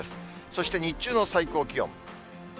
そして日中の最高気温。